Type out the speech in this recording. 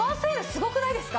すごくないですか！？